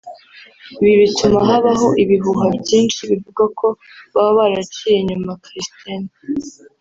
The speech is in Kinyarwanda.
ibi bituma habaho ibihuha byinshi bivuga ko baba baraciye inyuma Kristen